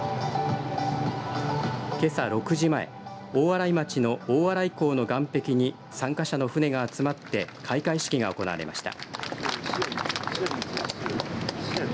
けさ６時前大洗町の大洗港の岸壁に参加者の船が集まって開会式が行われました。